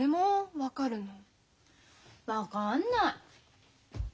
分かんない。